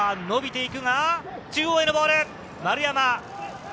伸びていくか、中央へのボール、丸山。